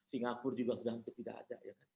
singapura juga sedang tidak ada